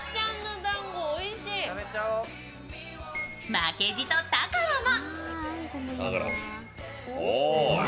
負けじとタカラも。